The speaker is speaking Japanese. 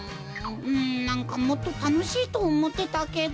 んなんかもっとたのしいとおもってたけど。